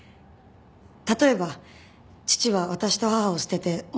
例えば父は私と母を捨てて女と。